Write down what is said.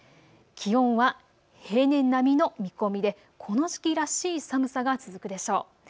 気温は平年並みの見込みでこの時期らしい寒さが続くでしょう。